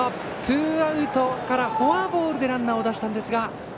ツーアウトからフォアボールでランナーを出したんですが。